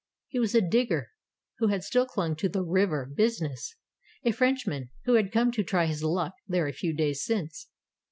He was a digger who had still clung to the "river" busi ness ; a Frenchman who had come to try his luck there a few days since.